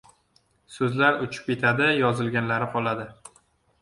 So‘zlar uchib ketadi, yozilganlari qoladi.